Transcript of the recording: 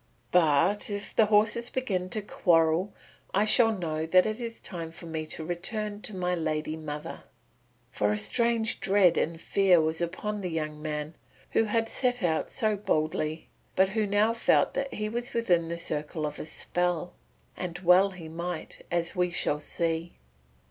But if the horses begin to quarrel I shall know that it is time for me to return to my lady mother." For a strange dread and fear was upon the young man who had set out so boldly but who now felt that he was within the circle of a spell. And well he might, as we shall see.